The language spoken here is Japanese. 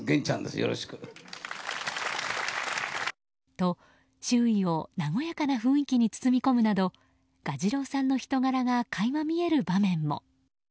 と、周囲を和やかな雰囲気に包み込むなど蛾次郎さんの人柄が垣間見える場面も。